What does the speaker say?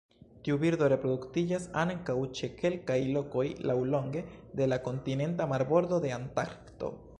Tiu birdo reproduktiĝas ankaŭ ĉe kelkaj lokoj laŭlonge de la kontinenta marbordo de Antarkto.